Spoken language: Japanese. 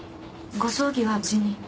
ご葬儀は無事に？